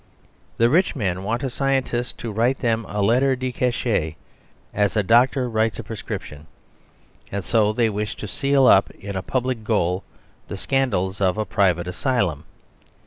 The rich men want a scientist to write them a lettre de cachet as a doctor writes a prescription. And so they wish to seal up in a public gaol the scandals of a private asylum.